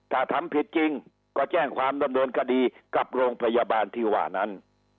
ถ้าทำผิดจริงก็แจ้งความดำเนินคดีกับโรงพยาบาลที่ว่านั้น